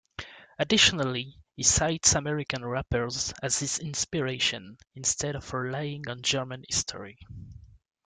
Additionally, he cites American rappers as his inspiration instead of relying on German history.